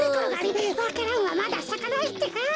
わか蘭はまださかないってか？